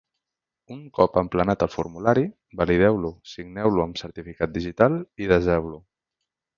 Un cop emplenat el formulari, valideu-lo, signeu-lo amb certificat digital i deseu-lo.